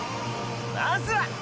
まずは！